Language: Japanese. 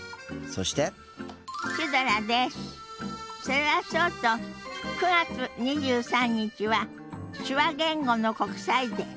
それはそうと９月２３日は手話言語の国際デー。